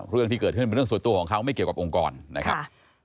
เรื่องที่เกิดขึ้นเป็นเรื่องส่วนตัวของเขาไม่เกี่ยวกับองค์กรนะครับ